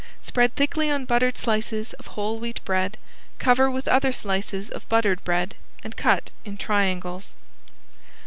Spread thickly on buttered slices of whole wheat bread, cover with other slices of buttered bread, and cut in triangles.